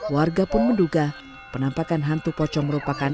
warga pun menduga penampakan hantu pocong merupakan